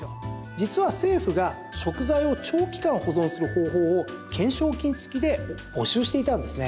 実は政府が食材を長期間保存する方法を懸賞金付きで募集していたんですね。